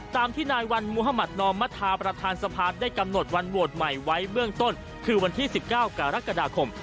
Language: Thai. ตามที่นายวันมุธมัธนอมธาประธานสภาได้กำหนดวันโหวตใหม่ไว้เบื้องต้นคือวันที่๑๙กรกฎาคม